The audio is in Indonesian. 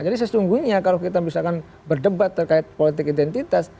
jadi sesungguhnya kalau kita misalkan berdebat terkait politik identitas